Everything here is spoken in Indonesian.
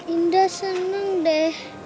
indah seneng deh